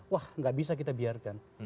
wah nggak bisa kita biarkan